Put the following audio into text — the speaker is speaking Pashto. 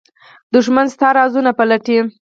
دښمن ستا رازونه پلټي